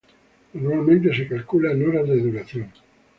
Normalmente se calcula en horas de duración.